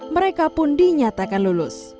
mereka pun dinyatakan lulus